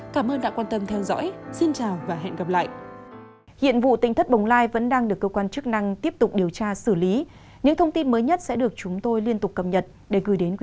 cảm ơn đã quan tâm theo dõi xin chào và hẹn gặp lại